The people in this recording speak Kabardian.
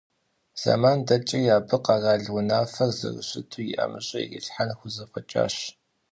Зэман дэкӀри, абы къэрал унафэр зэрыщыту и ӀэмыщӀэ ирилъхьэн хузэфӀэкӀащ.